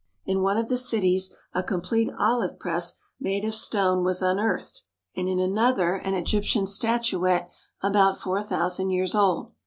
In one of the cities a complete olive press made of stone was unearthed, and in another an Egyptian statuette about four thousand years old.